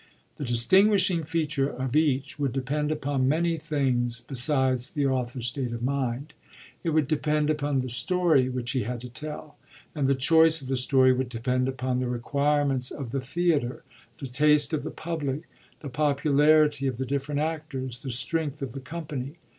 The distinguishing feature of each would depend upon many things besides the author's state of mind. It would depend upon the story which he had to tell; and the choice of the story would depend upon the requirements of the theatre, the taste of the public, the popularity of the different actors, ttxe strength of the company.